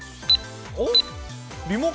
おっ？